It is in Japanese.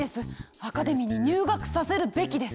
アカデミーに入学させるべきです！